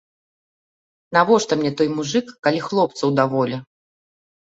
Навошта мне той мужык, калі хлопцаў даволі.